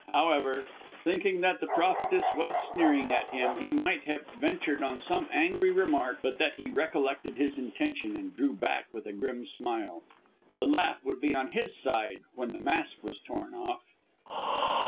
However, thinking that the prophetess was sneering at him he might have ventured on some angry remark, but that he recollected his intention and drew back with a grim smile. The laugh would be on his side when the mask was torn off.